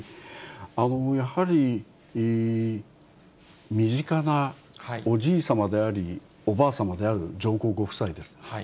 やはり身近なおじいさまであり、おばあさまである上皇ご夫妻です。